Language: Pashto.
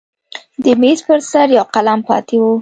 د میز پر سر یو قلم پاتې و.